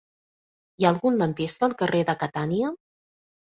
Hi ha algun lampista al carrer de Catània?